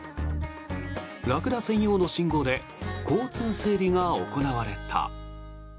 ラクダ専用の信号で交通整理が行われた。